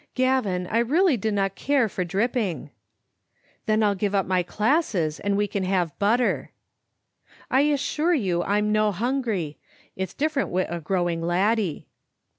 " Gavin, I really dinna care for dripping. " "Then I'll give up my classes, and we call have butter." "I assure you I'm no hungry. It's different wi' a growing laddie."